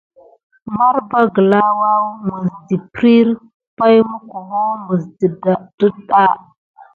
Marba gəlà woua mis dəprire pay mukuho mis ɗədà.